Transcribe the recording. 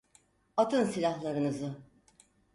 Atın silahlarınızı!